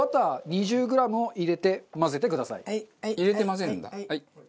入れて混ぜるんだ。